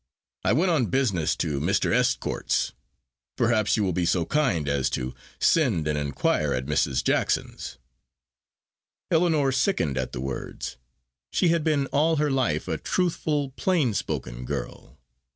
I went on business to Mr. Estcourt's. Perhaps you will be so kind as to send and inquire at Mrs. Jackson's." Ellinor sickened at the words. She had been all her life a truthful plain spoken girl.